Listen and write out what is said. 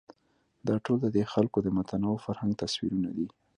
دا ټول ددې خلکو د متنوع فرهنګ تصویرونه دي.